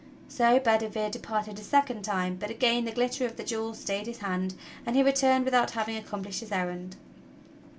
So Bedivere departed a second time, but again the glitter of the jewels staj^ed his hand, and he returned without having accomplished his errand.